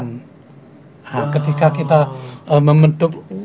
nah ketika kita membentuk